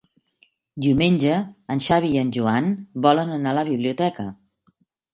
Diumenge en Xavi i en Joan volen anar a la biblioteca.